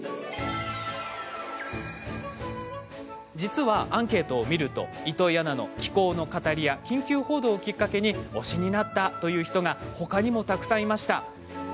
実は、アンケートを見ると糸井アナの紀行の語りや緊急報道をきっかけに推しになったという人が他にもたくさんいらっしゃったんです。